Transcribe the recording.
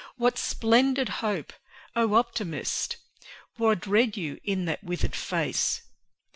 What splendid hope? O Optimist! What read you in that withered face?